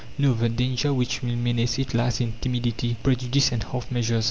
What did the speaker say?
No, the danger which will menace it lies in timidity, prejudice, and half measures.